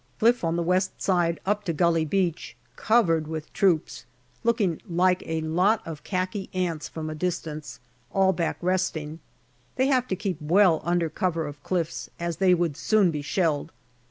Cliff on the west side up to Gully Beach covered with troops, looking like a lot of khaki ants from a distance ; all back resting. They have to keep well under cover of cliffs, as they would soon be shelled.